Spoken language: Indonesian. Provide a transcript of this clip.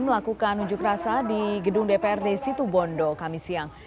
melakukan unjuk rasa di gedung dprd situ bondo kamis siang